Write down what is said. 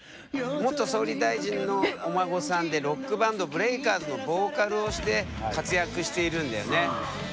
元総理大臣のお孫さんでロックバンドＢＲＥＡＫＥＲＺのボーカルをして活躍しているんだよね。